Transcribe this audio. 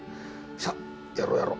さっやろうやろう。